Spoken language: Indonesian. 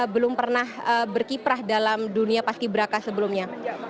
belum pernah berkiprah dalam dunia paski beraka sebelumnya